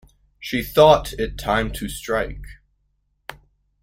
She thought it time to strike.